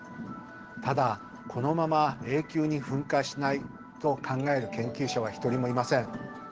ただこのまま永久に噴火しないと考える研究者は１人もいません。